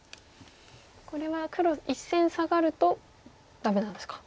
これは黒１線サガるとダメなんですか。